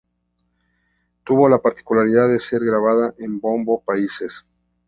Tuvo la particularidad de ser grabada en ambos países.